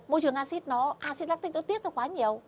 môi trường acid lactic nó tiết ra quá nhiều